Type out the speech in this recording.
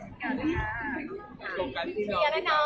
เวลาแรกพี่เห็นแวว